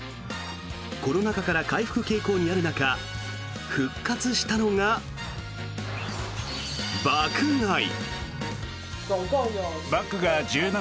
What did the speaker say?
コロナ禍から回復傾向にある中復活したのが爆買い。